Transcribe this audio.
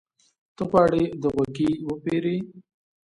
ته غواړې د غوږيکې وپېرې؟